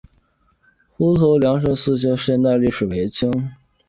湖头贤良祠的历史年代为清。